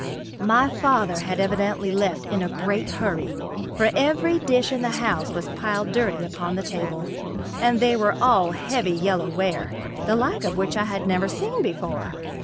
My father had evidently left in a great hurry for every dish in the house was piled dirty upon the table, and they were all heavy yellow ware, the like of which I had never seen before.